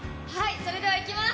それでは、いきます。